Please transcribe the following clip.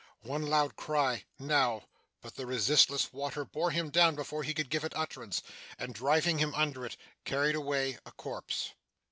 One loud cry, now but the resistless water bore him down before he could give it utterance, and, driving him under it, carried away a corpse.